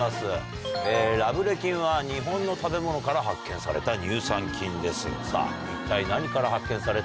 ラブレ菌は日本の食べ物から発見された乳酸菌です。